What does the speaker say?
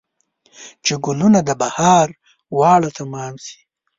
چې ګلونه د بهار واړه تمام شي